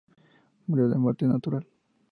Murió de muerte natural.